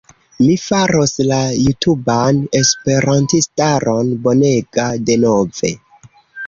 Mi faros la jutuban esperantistaron bonega denove!!